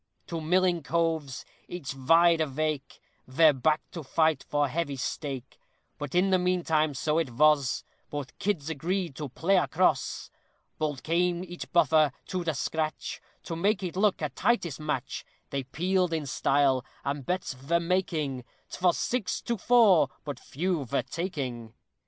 Ri, tol, lol, &c. Two milling coves, each vide avake, Vere backed to fight for heavy stake: But in the mean time, so it vos, Both kids agreed to play a cross; Bold came each buffer to the scratch, To make it look a tightish match; They peeled in style, and bets vere making, 'Tvos six to four, but few vere taking.